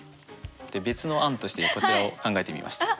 別の案としてこちらを考えてみました。